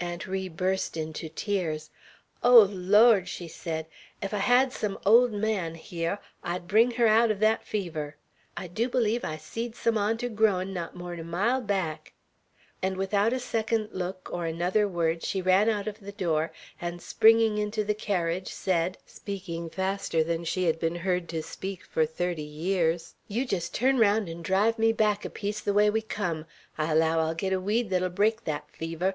Aunt Ri burst into tears. "Oh, Lawd!" she said. "Ef I had some 'old man' hyar, I'd bring her aout er thet fever! I dew bleeve I seed some on 't growin' not more'n er mile back." And without a second look, or another word, she ran out of the door, and springing into the carriage, said, speaking faster than she had been heard to speak for thirty years: "Yeow jest turn raound 'n' drive me back a piece, the way we come. I allow I'll git a weed thet'll break thet fever.